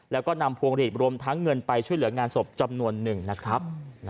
แล้วก็นำพวงหลีดรวมทั้งเงินไปช่วยเหลืองานศพจำนวนหนึ่งนะครับ